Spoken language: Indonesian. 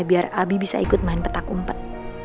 biar abi bisa ikut main petak kumpet